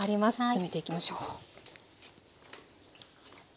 詰めていきましょう。